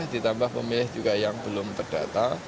ditambah pemilih juga yang belum terdata